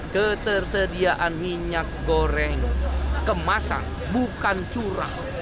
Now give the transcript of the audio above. ketersediaan minyak goreng kemasan bukan curah